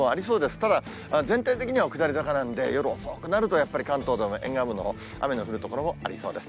ただ、全体的には下り坂なんで、夜遅くなると、やっぱり関東でも沿岸部のほう、雨の降る所もありそうです。